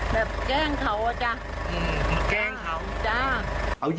ภาษาแรกที่สุดท้าย